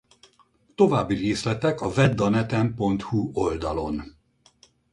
További részletek a veddaneten.hu oldalon.